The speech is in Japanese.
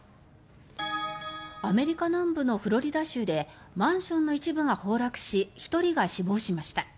アメリカ南部のフロリダ州でマンションの一部が崩落し１人が死亡しました。